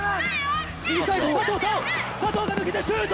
右サイド、佐藤が抜けてシュート。